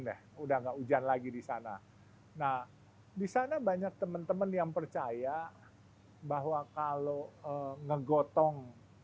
deh udah enggak hujan lagi di sana nah di sana banyak teman teman yang percaya bahwa kalau ngegotong